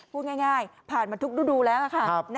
พูดง่ายผ่านมาทุกฤดูแล้วค่ะ